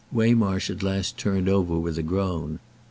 Waymarsh at last turned over with a groan.